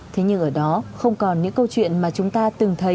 thế nhưng ở đó không còn những câu chuyện mà chúng ta từng thấy